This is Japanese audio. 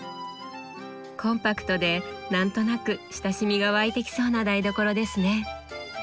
コンパクトで何となく親しみが湧いてきそうな台所ですね。